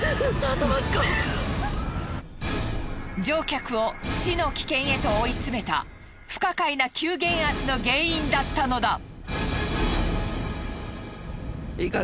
乗客を死の危険へと追い詰めた不可解な急減圧の原因だったのだ。